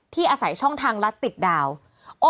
ที่อาศัยช่องทางรัฐติดดาวน์